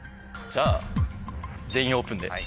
じゃあ「全員オープン」で。